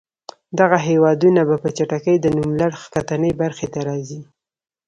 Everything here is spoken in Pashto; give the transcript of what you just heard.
دغه هېوادونه به په چټکۍ د نوملړ ښکتنۍ برخې ته راځي.